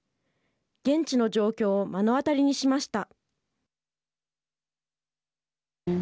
現地の状況を目の当たりにしました。